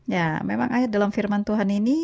ya memang dalam firman tuhan ini